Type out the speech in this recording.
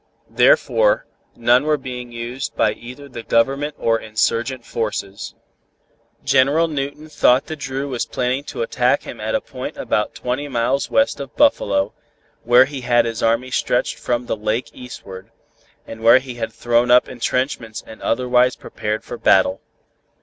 Therefore none were being used by either the Government or insurgent forces. General Newton thought that Dru was planning to attack him at a point about twenty miles west of Buffalo, where he had his army stretched from the Lake eastward, and where he had thrown up entrenchments and otherwise prepared for battle.